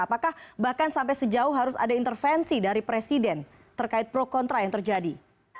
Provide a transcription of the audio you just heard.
apakah bahkan sampai sejauh harus ada intervensi dari presiden terkait pro kontra yang terjadi